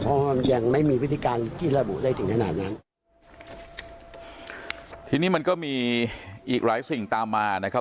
เพราะว่ายังไม่มีวิธีการที่ระบุได้ถึงขนาดนั้นทีนี้มันก็มีอีกหลายสิ่งตามมานะครับ